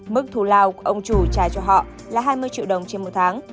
mức thù lao của ông chủ trả cho họ là hai mươi triệu đồng trên một tháng